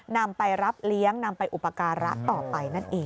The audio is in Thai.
นำไปรับเลี้ยงนำไปอุปการะต่อไปนั่นเอง